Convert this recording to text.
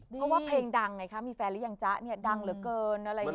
เพราะว่าเพลงดังไงคะมีแฟนหรือยังจ๊ะเนี่ยดังเหลือเกินอะไรอย่างนี้